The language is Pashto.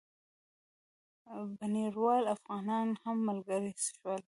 بُنیروال افغانان هم ملګري شول.